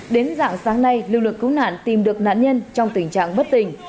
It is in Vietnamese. đến dạng sáng nay lực lượng cứu nạn tìm được nạn nhân trong tình trạng bất tình